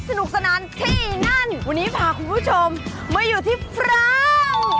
สนุกสนานที่นั่นวันนี้พาคุณผู้ชมมาอยู่ที่ฟราว